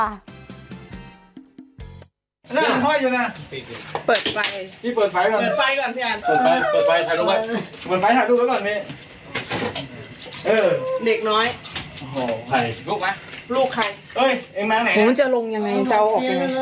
มันติดเหล็กดัดมันจะออกได้ทวามันติดเหล็ก